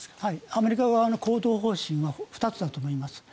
アメリカ側の行動方針は２つだと思います。